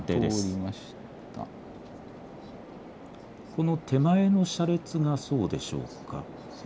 この手前の車列がそうでしょうか。